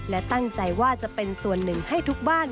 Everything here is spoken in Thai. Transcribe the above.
และตั้งใจว่าจะเป็นส่วนหนึ่งให้ทุกบ้าน